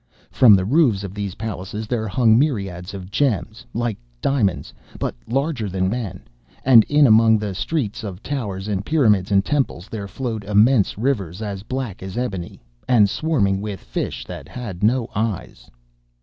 From the roofs of these palaces there hung myriads of gems, like diamonds, but larger than men; and in among the streets of towers and pyramids and temples, there flowed immense rivers as black as ebony, and swarming with fish that had no eyes.